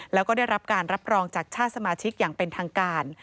แล้วก็ได้รับการรับรองจากชาติสมาชิกอย่างเป็นทางการ